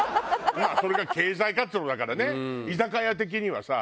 まあそれが経済活動だからね居酒屋的にはさ。